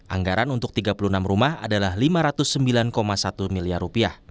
anggaran untuk tiga puluh enam rumah adalah rp lima ratus sembilan satu miliar